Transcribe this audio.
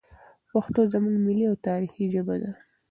پښتو زموږ ملي او تاریخي ژبه ده.